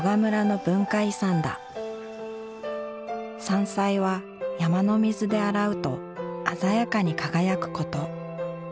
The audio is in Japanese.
山菜は山の水で洗うと鮮やかに輝くこと。